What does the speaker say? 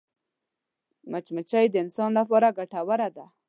مچمچۍ د انسان لپاره ګټوره ده